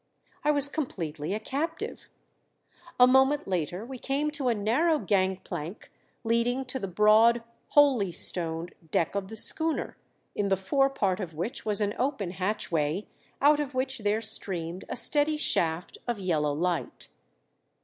I was completely a captive. A moment later we came to a narrow gangplank leading to the broad, holy stoned deck of the schooner, in the fore part of which was an open hatchway, out of which there streamed a steady shaft of yellow light.